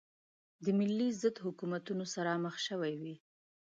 د ملي ضد حکومتونو سره مخ شوې وې.